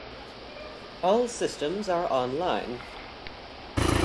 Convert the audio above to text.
All systems are online.